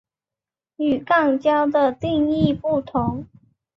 与肛交的定义不同。